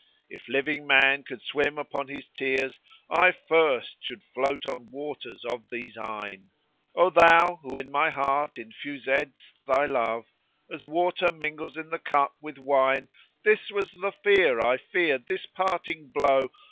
If living man could swim upon his tears, * I first should float on waters of these eyne: O thou, who in my heart infusedst thy love, * As water mingles in the cup with wine, This was the fear I feared, this parting blow.